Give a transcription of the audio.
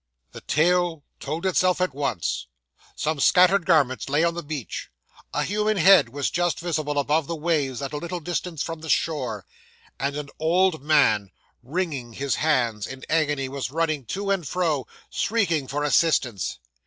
'The tale told itself at once: some scattered garments lay on the beach; a human head was just visible above the waves at a little distance from the shore; and an old man, wringing his hands in agony, was running to and fro, shrieking for assistance.